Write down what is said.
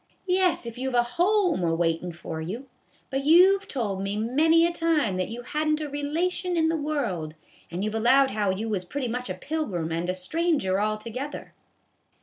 " Yes, if you have a home a waitin' for you ; but you've told me many a time that you hadn't a relation in the world. And you 've allowed how you was pretty much a pilgrim and a stranger altogether."